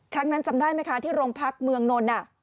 ครั้งนั้นจำได้ไหมคะที่โรงพักเมืองนนท์